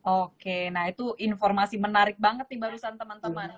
oke nah itu informasi menarik banget nih barusan teman teman